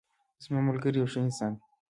زما ملګری یو ښه انسان ده